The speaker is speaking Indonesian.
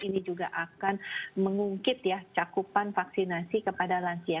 ini juga akan mengungkit ya cakupan vaksinasi kepada lansia